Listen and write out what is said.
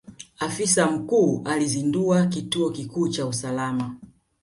Afisa mkuu alizundua kituo kikuu cha usalama.